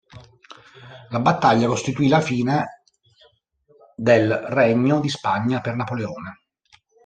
La battaglia costituì la fine del Regno di Spagna per Napoleone.